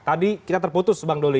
tadi kita terputus bang doli